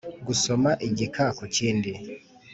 gusoma igika ku kindi